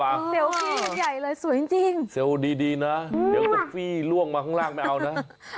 เซลฟี่กันใหญ่เลยสวยจริงเซลล์ดีนะเดี๋ยวจะฟี่ล่วงมาข้างล่างไม่เอานะ